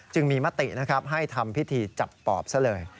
จึงมีมตินะครับให้ทำพิธีจับปอบซะเลย